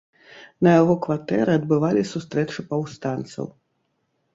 На яго кватэры адбывалі сустрэчы паўстанцаў.